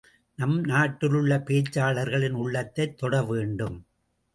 நம் நாட்டிலுள்ள பேச்சாளர்களின் உள்ளத்தைத் தொட வேண்டும்.